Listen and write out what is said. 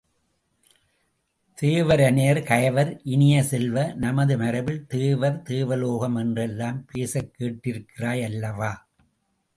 தேவரனையர் கயவர் இனிய செல்வ, நமது மரபில் தேவர், தேவலோகம் என்றெல்லாம் பேசக்கேட்டிருக்கிறாய் அல்லவா?